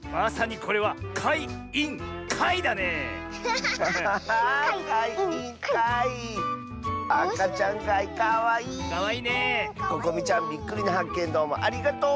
ここみちゃんびっくりなはっけんどうもありがとう！